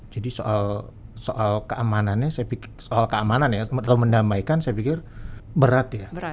jadi soal keamanannya kalau mendamaikan saya pikir berat ya